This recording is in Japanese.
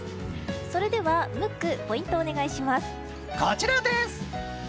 それではムックポイントをお願いします。